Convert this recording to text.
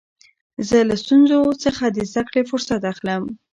زه له ستونزو څخه د زدکړي فرصت اخلم.